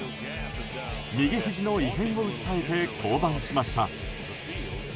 右ひじの異変を訴えて降板しました。